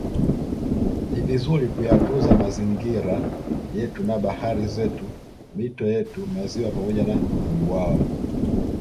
Ni vizuri kuyatunza mazingira yetu na bahari zetu mito yetu maziwa pamoja na mabwawa